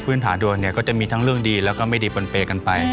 พฤหัสตรวจทั้งเรื่องดีและที่ไม่ดีโบนเปลกันไป